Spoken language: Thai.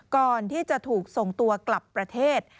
ก่อนที่จะถูกส่งตัวกลับประเทศ